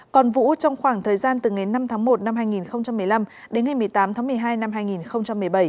còn vũ trong khoảng thời gian từ ngày năm tháng một năm hai nghìn một mươi năm đến ngày một mươi tám tháng một mươi hai năm hai nghìn một mươi bảy